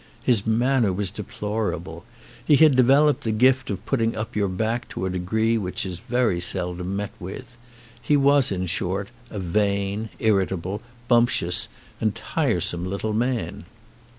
His manner was deplorable. He had developed the gift of putting up your back to a degree which is very seldom met with. He was in short a vain, irritable, bumptious, and tiresome little man.